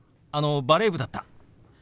あのバレー部だった。